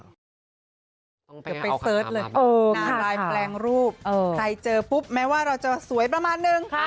เดี๋ยวไปเสิร์ชเลยลายแปลงรูปใครเจอปุ๊บแม้ว่าเราจะสวยประมาณนึง